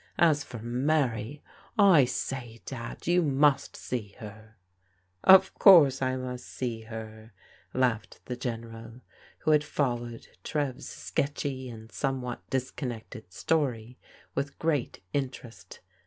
As for Mary! I say. Dad, you must see her !"" Of course I must see her,*' laughed the General, who had followed Trev's sketchy and somewhat disconnected story with great interest.